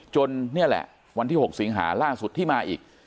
นี่แหละวันที่๖สิงหาล่าสุดที่มาอีก